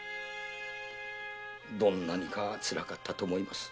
どんなにかつらかったと思います。